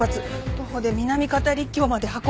「徒歩で南方陸橋まで運べ」